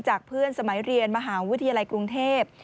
เพื่อนสมัยเรียนมหาวิทยาลัยกรุงเทพ